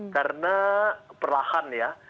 karena perlahan ya